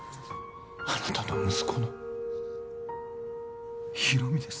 あなたの息子の広見です。